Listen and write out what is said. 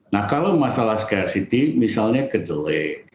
nah kalau masalah scaresiti misalnya kedelai